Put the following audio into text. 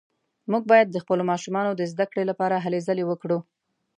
موږ باید د خپلو ماشومانو د زده کړې لپاره هلې ځلې وکړو